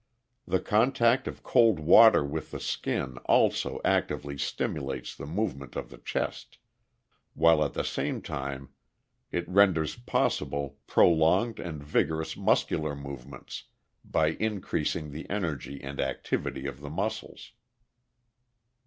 The contact of cold water with the skin also actively stimulates the movement of the chest, while at the same time it renders possible prolonged and vigorous muscular movements by increasing the energy and activity of the muscles.